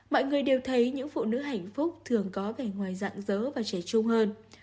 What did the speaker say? mọi người đều thấy những phụ nữ hạnh phúc thường có vẻ ngoài rạng rỡ và trẻ trung hơn